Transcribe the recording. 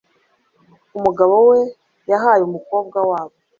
Umugabo we yahaye umukobwa wabo